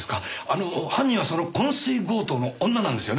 あの犯人はその昏睡強盗の女なんですよね？